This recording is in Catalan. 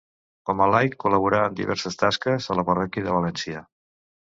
Com a laic col·laborà en diverses tasques a la parròquia de València.